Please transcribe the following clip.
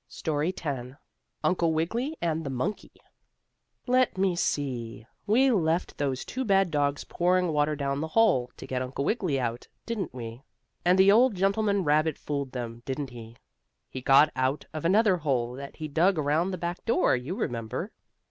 STORY X UNCLE WIGGILY AND THE MONKEY Let me see, we left those two bad dogs pouring water down the hole, to get Uncle Wiggily out, didn't we? And the old gentleman rabbit fooled them, didn't he? He got out of another hole that he dug around by the back door, you remember.